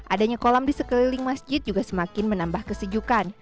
adanya kolam di sekeliling masjid juga semakin menambah kesejukan